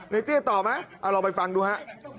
เตี้ยตอบไหมเอาลองไปฟังดูฮะ